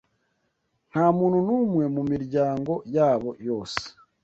nta muntu n’umwe mu miryango yabo yose